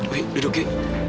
wi duduk oke